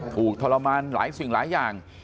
ทรมานหลายสิ่งหลายอย่าง